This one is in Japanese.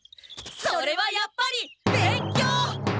それはやっぱり勉強！